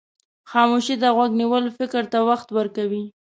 خاموشي ته غوږ نیول فکر ته وخت ورکوي.